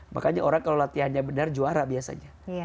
makanya orang kalau latihannya benar juara biasanya